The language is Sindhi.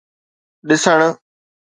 ڏسڻ